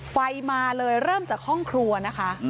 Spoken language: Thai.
ไฟมาเลยเริ่มจากห้องครัวนะคะ